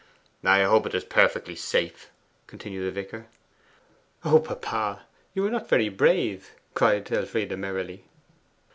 'I hope it is perfectly safe,' continued the vicar. 'O papa! you are not very brave,' cried Elfride merrily.